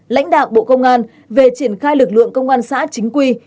lãnh đạo bộ công an về triển khai lực lượng công an xã chính quy